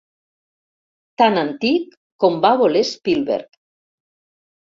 Tan antic com va voler Spielberg.